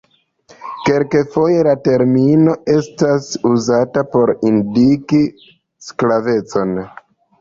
Kelkfoje la termino estas uzata por indiki sklavecon.